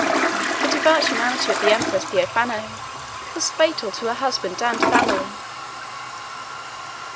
The devout humanity of the empress Theophano was fatal to her husband and family.